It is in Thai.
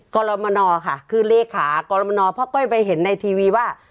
กรมนค่ะคือเลขากรมนเพราะก้อยไปเห็นในทีวีว่า